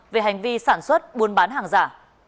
về hành vi sản xuất buôn bán hàng giả